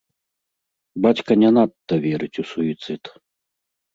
Бацька не надта верыць у суіцыд.